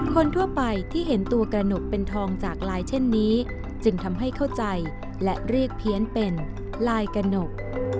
คนทั่วไปที่เห็นตัวกระหนกเป็นทองจากลายเช่นนี้จึงทำให้เข้าใจและเรียกเพี้ยนเป็นลายกระหนก